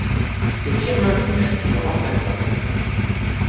C'est Firmin Touche qui le remplaça.